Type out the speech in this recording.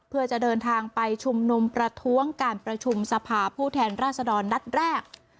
เพื่อจะเดินทางไปชุมนุมประท้วงการประชุมสภาผู้แทนราษฎรนัดแรก